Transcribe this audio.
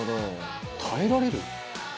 「耐えられる？」